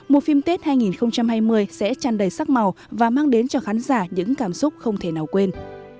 một phim tết hai nghìn hai mươi sẽ chăn đầy sắc màu và mang đến cho khán giả những cảm xúc không thể nào quên